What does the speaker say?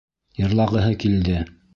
Йырлағыһы килде.